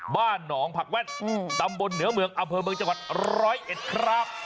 บ้านหนองผักแว่นตำบลเหนือเมืองอำเภอเมืองจังหวัดร้อยเอ็ดครับ